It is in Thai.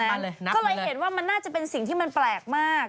ก็เลยเห็นว่ามันน่าจะเป็นสิ่งที่มันแปลกมาก